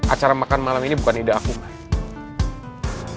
acara makan malam ini bukan ide aku main